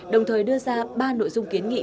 đồng thời đưa ra ba nội dung kiến nghị